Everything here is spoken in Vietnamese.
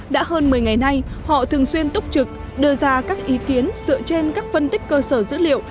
đã hơn một mươi ngày nay họ thường xuyên túc trực đưa ra các ý kiến dựa trên các phân tích cơ sở dữ liệu